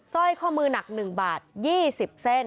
สร้อยข้อมือหนัก๑บาท๒๐เส้น